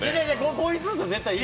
こいつっす、絶対。